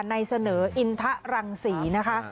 ในเสนออินทะรังศรีนะคะ